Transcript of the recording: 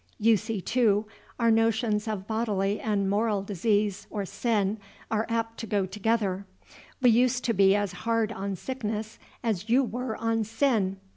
You see, too, our notions of bodily and moral disease, or sin, are apt to go together. We used to be as hard on sickness as you were on sin.